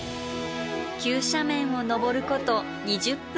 急斜面を登ること２０分。